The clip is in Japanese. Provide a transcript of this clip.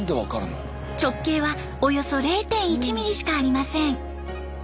直径はおよそ０．１ミリしかありません。